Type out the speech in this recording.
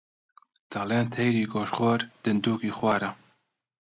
دەڵێن تەیری گۆشتخۆر دندووکی خوارە